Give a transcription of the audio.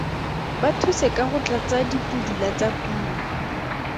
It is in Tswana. Ba thuse ka go tlatsa dipudula tsa puo.